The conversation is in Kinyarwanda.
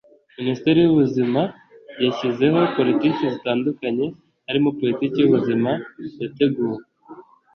minisiteri y ubuzima yashyizeho politiki zitandukanye harimo politiki y ubuzima yateguwe